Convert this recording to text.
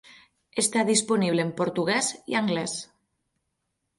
Està disponible en portuguès i anglès.